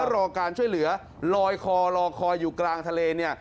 รอการช่วยเหลือลอยคอรอคอยอยู่กลางทะเลเนี่ย